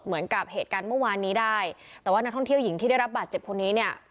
เหมือนกับเหตุการณ์เมื่อวานนี้ได้แต่ว่านักท่องเที่ยวหญิงที่ได้รับบาดเจ็บคนนี้เนี่ย